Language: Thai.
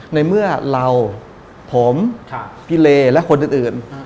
ในเมื่อเราผมพี่เลและคนอื่น